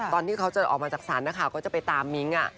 ตอนที่เขาจะออกมาจากศาลนักข่าวก็จะไปตามมิ้ง